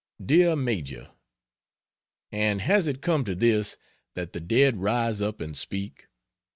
DEAR MAJOR, And has it come to this that the dead rise up and speak?